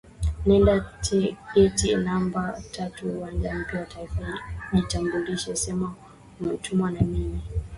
Nenda geti namba tatu uwanja mpya wa Taifa jitambulishe sema umetumwa na mimi